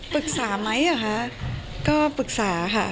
ปรึกษาไหมเหรอคะก็ปรึกษาค่ะ